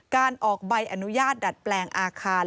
การออกใบอนุญาตดัดแปลงอาคาร